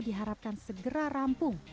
diharapkan segera rampung